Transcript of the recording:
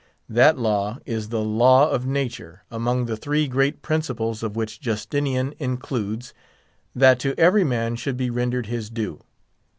That law is the Law of Nature; among the three great principles of which Justinian includes "that to every man should be rendered his due."